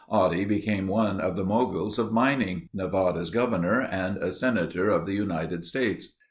Oddie became one of the moguls of mining, Nevada's governor, and a senator of the United States.